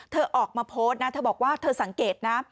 เธอออกมาโพสต์นะเธอบอกว่าเธอสังเกตนะ